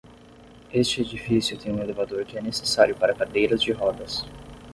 Este edifício tem um elevador que é necessário para cadeiras de rodas.